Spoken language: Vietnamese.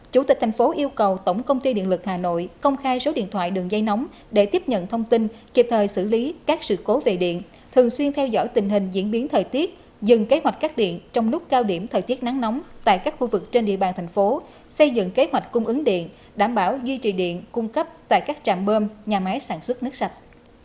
chủ tịch thành phố yêu cầu tổng công ty điện lực hà nội công khai số điện thoại đường dây nóng để tiếp nhận thông tin kịp thời xử lý các sự cố về điện thường xuyên theo dõi tình hình diễn biến thời tiết dừng kế hoạch cắt điện trong lúc cao điểm thời tiết nắng nóng tại các khu vực trên địa bàn thành phố xây dựng kế hoạch cung ứng điện đảm bảo duy trì điện cung cấp tại các trạm bơm nhà máy sản xuất nước sạch